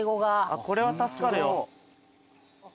これは助かるよ。